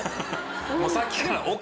もうさっきから。